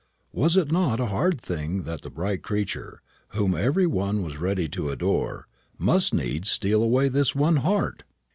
Was it not a hard thing that the bright creature, whom every one was ready to adore, must needs steal away this one heart?